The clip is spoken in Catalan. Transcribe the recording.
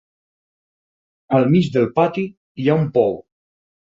Al mig del pati hi ha un pou.